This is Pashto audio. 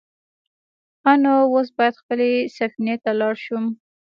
_ښه نو، اوس بايد خپلې سفينې ته لاړ شم.